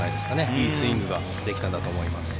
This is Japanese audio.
いいスイングができたんだと思います。